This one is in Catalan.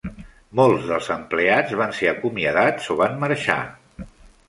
Molts dels empleats van ser acomiadats o van marxar.